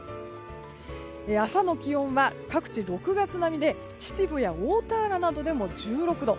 朝の気温は各地６月並みで秩父や大田原などでも１６度。